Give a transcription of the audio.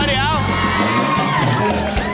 อะไร